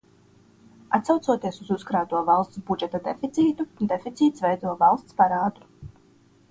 Atsaucoties uz uzkrāto valsts budžeta deficītu, deficīts veido valsts parādu.